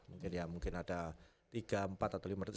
mungkin ya mungkin ada tiga empat atau lima ratus